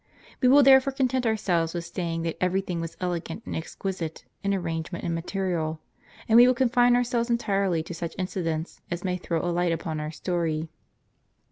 We will therefore content ourselves with saying that every thing was elegant and exquisite in arrangement and material ; and we will confine ourselves entirely to such incidents as may throw a light upon our story.